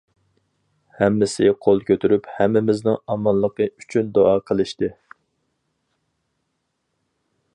ھەممىسى قول كۆتۈرۈپ ھەممىمىزنىڭ ئامانلىقى ئۈچۈن دۇئا قىلىشتى.